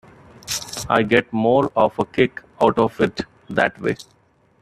I get more of a kick out of it that way.